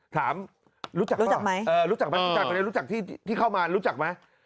ถามรู้จักไหมรู้จักที่เข้ามารู้จักไหม